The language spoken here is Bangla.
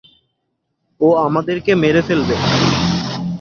ও আমাদেরকে মেরে ফেলবে।